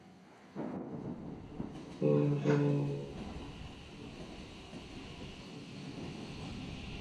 Mrs McNally, খেতে হলে ও হয় প্লেট থেকে খাবে নাহলে উপোষ থাকবে।